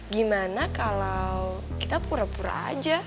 gimana kalau kita pura pura aja